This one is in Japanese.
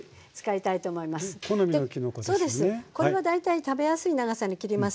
これは大体食べやすい長さに切ります。